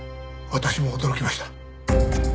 私も驚きました。